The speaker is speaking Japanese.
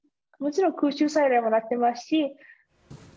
もちろん空襲サイレンも鳴ってますし。